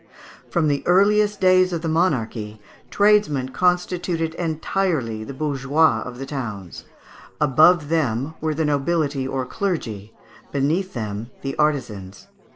From the earliest days of monarchy tradesmen constituted entirely the bourgeois of the towns (Fig. 203). Above them were the nobility or clergy, beneath them the artisans.